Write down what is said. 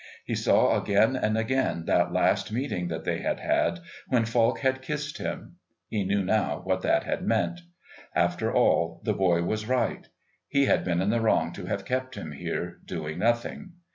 He saw again and again that last meeting that they had had, when Falk had kissed him. He knew now what that had meant. After all, the boy was right. He had been in the wrong to have kept him here, doing nothing.